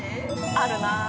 ◆あるなぁ。